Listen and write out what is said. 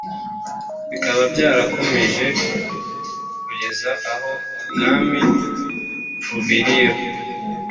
, bikaba byarakomeje kugeza aho Ubwami buviriyeho